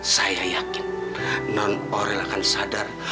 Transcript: saya yakin nenek aurel akan sadar